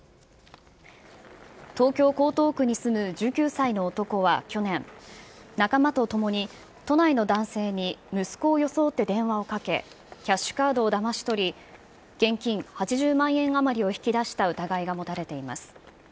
東京・江東区に住む１９歳の男は去年、仲間と共に都内の男性に息子を装って電話をかけ、キャッシュカードをだまし取り、現金８０万円余りを引き出した疑いが持たれています。